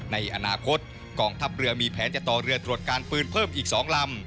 ในอนาคตกองทัพเรือมีแผนจะต่อเรือตรวจการปืนเพิ่มอีก๒ลำ